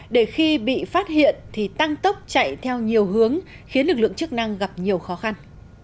để khi bị phát hiện thì tăng tốc chạy theo nhiều hướng khiến lực lượng chức năng gặp nhiều khó khăn